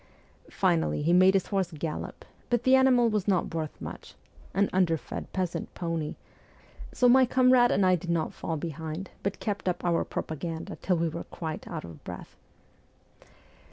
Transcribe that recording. Finally he made his horse gallop ; but the animal was not worth much an underfed peasant pony so my comrade and I did not fall behind, but kept up our propaganda till we were quite out of breath.'